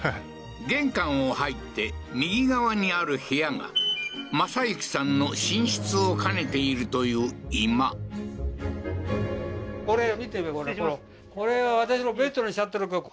玄関を入って右側にある部屋が正行さんの寝室を兼ねているという居間あっこれテーブルですか？